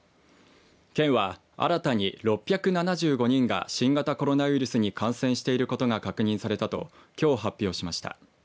県は新たに６７５人が新型コロナウイルスに感染していることが確認されたときょう発表しました。